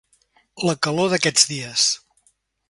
La calor d'aquests dies.